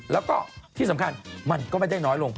แล้วก็ที่สำคัญมันก็ไม่ได้น้อยลง